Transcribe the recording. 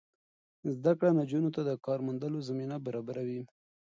زده کړه نجونو ته د کار موندلو زمینه برابروي.